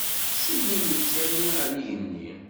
Simmal nettali ar igenni.